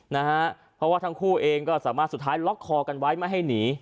นะฮะเพราะว่าทั้งคู่เองก็สามารถสุดท้ายล็อกคอกันไว้ไม่ให้หนี